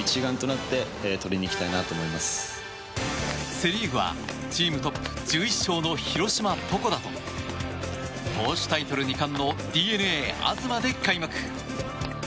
セ・リーグはチームトップ１１勝の広島、床田と投手タイトル２冠のＤｅＮＡ、東で開幕。